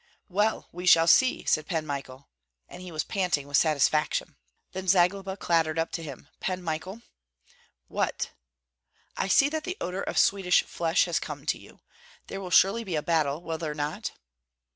"Well, we shall see!" said Pan Michael. And he was panting with satisfaction. Then Zagloba clattered up to him. "Pan Michael?" "What?" "I see that the odor of Swedish flesh has come to you. There will surely be a battle, will there not?"